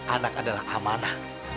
anak adalah amanah